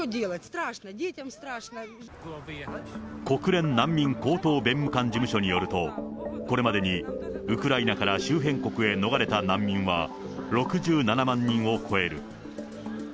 国連難民高等弁務官事務所によると、これまでにウクライナから周辺国へ逃れた難民は６７万人を超える。